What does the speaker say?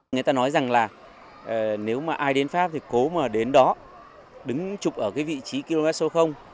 người ta nói rằng là nếu mà ai đến pháp thì cố mà đến đó đứng chụp ở cái vị trí km số